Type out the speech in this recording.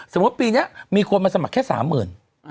สมมุติปีนี้มีคนมาสมัครแค่๓๐๐๐๐